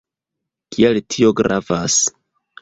Kial tio gravas?